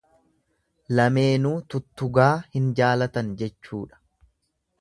Lameenuu tuttugaa hin jaalatan jechuudha.